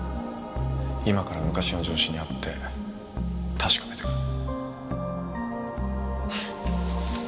今から昔の上司に会って確かめてくる。